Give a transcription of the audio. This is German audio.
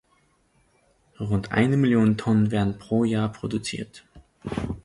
Rund eine Million Tonnen werden pro Jahr produziert.